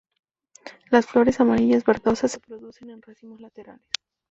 Las flores amarillas verdosas se producen en racimos laterales.